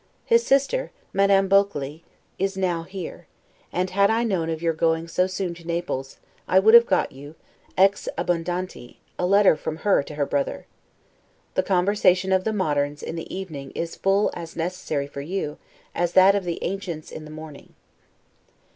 His sister, Madame Bulkeley, is now here; and had I known of your going so soon to Naples, I would have got you, 'ex abundanti', a letter from her to her brother. The conversation of the moderns in the evening is full as necessary for you, as that of the ancients in the morning.